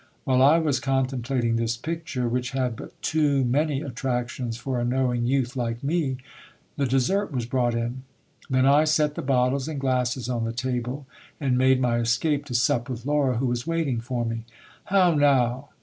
While I was contemplating this picture, which had but too many attractions for a knowing youth like me, the dessert was brought in. Then I set the bottles and glasses on the table, and made my escape to sup with Laura, who was waiting for me. How now